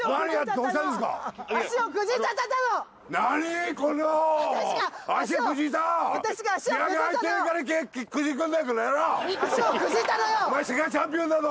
お前世界チャンピオンだろ！